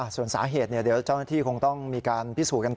ส่วนสาเหตุเดี๋ยวเจ้าหน้าที่คงต้องมีการพิสูจน์กันต่อ